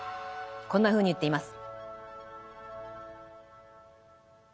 こんなふうに言っています。